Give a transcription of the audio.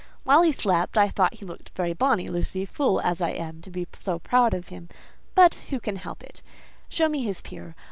While he slept, I thought he looked very bonny, Lucy: fool as I am to be so proud of him; but who can help it? Show me his peer.